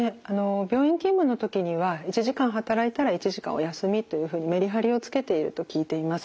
病院勤務の時には１時間働いたら１時間お休みというふうにメリハリをつけていると聞いています。